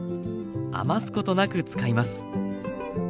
余すことなく使います。